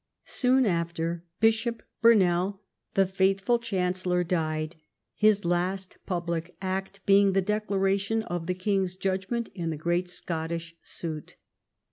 Soon after Bishop Burnell, the faithful Chancellor, died, his last public act being the declaration of the king's judgment in the great Scottish suit.